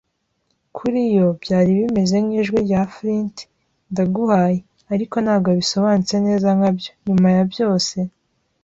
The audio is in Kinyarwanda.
kuri yo, byari bimeze nk'ijwi rya Flint, ndaguhaye, ariko ntabwo bisobanutse neza nka byo, nyuma ya byose.